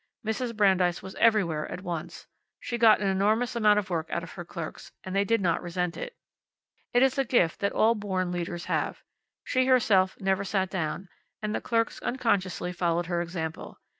Mrs. Brandeis was everywhere at once. She got an enormous amount of work out of her clerks, and they did not resent it. It is a gift that all born leaders have. She herself never sat down, and the clerks unconsciously followed her example.